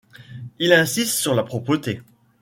Il insiste sur la propreté.